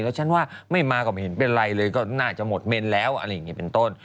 แล้วฉันว่าไม่มาก็ไม่เห็นเป็นไรเลยก็น่าจะหมดเมนแล้วอะไรอย่างนี้เป็นต้น